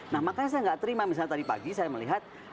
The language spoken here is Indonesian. nah makanya saya nggak terima misalnya tadi pagi saya melihat